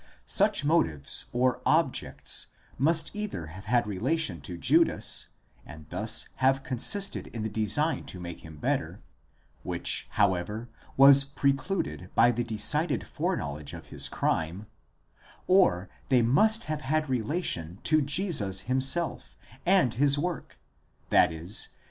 Such motives or objects must either have had relation to Judas, and thus have consisted in the design to make him better—which however was precluded by the decided foreknowledge of his crime; or they must have had relation to Jesus himself and his work, i.e.